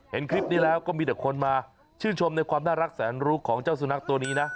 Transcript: เห็นคลิปนี้แล้วก็มีแต่คนมาชื่นชมในความน่ารักแสนรู้ของเจ้าสุนัขตัวนี้นะ